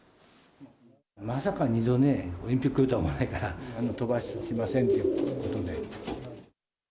まさか２度ね、オリンピックが来るとは思わないから、飛ばしませんということで。